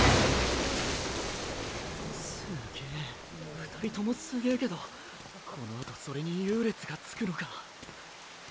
すげぇ２人ともすげぇけどこのあとそれに優劣がつくのかレースだから！！